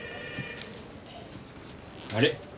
あれ？